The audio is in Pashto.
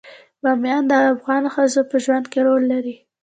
بامیان د افغان ښځو په ژوند کې رول لري.